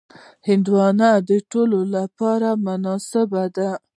هندوانه د ټولو لپاره مناسبه ده.